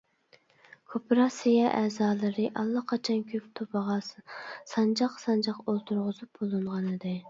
كوپىراتسىيە ئەزالىرى ئاللىقاچان كۆك توپىغا سانجاق-سانجاق ئولتۇرغۇزۇپ بولۇنغانىدى.